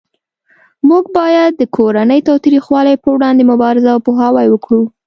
موږ باید د کورنۍ تاوتریخوالی پروړاندې مبارزه او پوهاوی وکړو